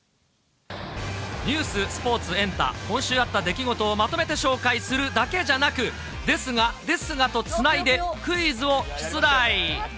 ニュース、スポーツ、エンタ、今週あった出来事をまとめて紹介するだけじゃなく、ですが、ですがとつないで、クイズを出題。